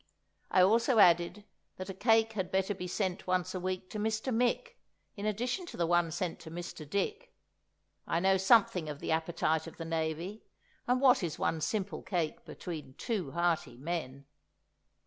I also added that a cake had better be sent once a week to Mr. Mick in addition to the one sent to Mr. Dick. I know something of the appetite of the Navy—and what is one simple cake between two hearty men!